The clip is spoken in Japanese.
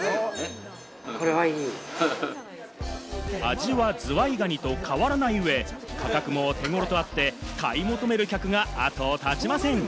味はズワイガニと変わらないうえ、価格も手ごろとあって、買い求める客が後を絶ちません。